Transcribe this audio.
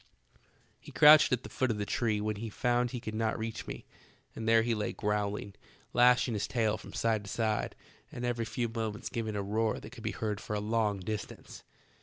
"He crouched at the foot of the tree when he found he could not reach me, and there he lay growling, lashing his tail from side to side, and every few moments giving a roar that could be heard for a long distance.